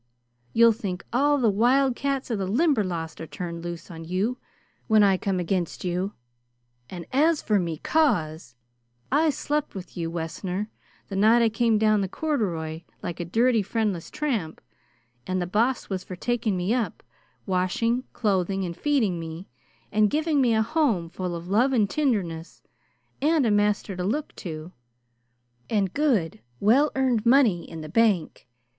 You'll think all the wildcats of the Limberlost are turned loose on you whin I come against you, and as for me cause I slept with you, Wessner, the night I came down the corduroy like a dirty, friendless tramp, and the Boss was for taking me up, washing, clothing, and feeding me, and giving me a home full of love and tinderness, and a master to look to, and good, well earned money in the bank.